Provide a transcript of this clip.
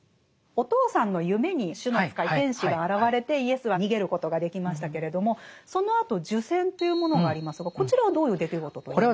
お父さんの夢に主の使い天使が現れてイエスは逃げることができましたけれどもそのあと受洗というものがありますがこちらはどういう出来事と言えますか？